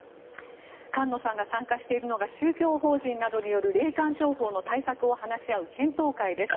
菅野さんが参加しているのが宗教法人などによる霊感商法の対策を話し合う検討会です。